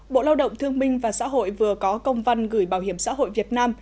bộ lao động thương minh và xã hội vừa có công văn gửi bảo hiểm xã hội việt nam